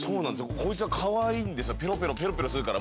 こいつがかわいいんですよ。